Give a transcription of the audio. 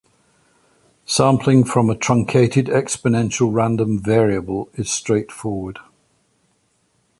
Sampling from a truncated exponential random variable is straightfoward.